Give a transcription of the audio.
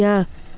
hội nghị bologna